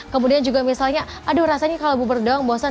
kemudian juga misalnya aduh rasanya kalau bubur doang bosan